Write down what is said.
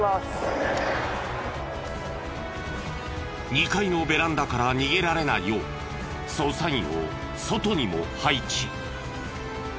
２階のベランダから逃げられないよう捜査員を外にも配置。